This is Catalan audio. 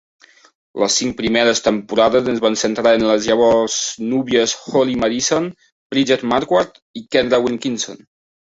Les cinc primeres temporades es van centrar en les llavors núvies Holly Madison, Bridget Marquardt i Kendra Wilkinson.